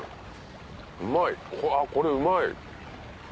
うまいあこれうまい！